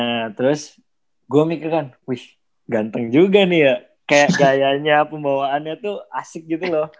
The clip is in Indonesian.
nah terus gue mikirkan wih ganteng juga nih ya kayak gayanya pembawaannya tuh asik gitu loh